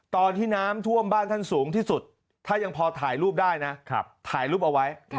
ตอนที่น้ำท่วมบ้านท่านสูงที่สุดถ้ายังพอถ่ายรูปได้นะถ่ายรูปเอาไว้